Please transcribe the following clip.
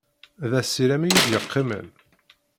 D asirem i yi-d yeqqimen.